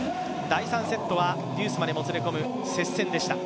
第３セットはデュースまでもつれ込む接戦でした。